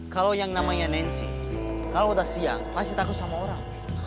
kalau yang namanya nancy kalau udah siang pasti takut sama orang